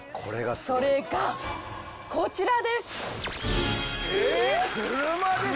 それがこちらです。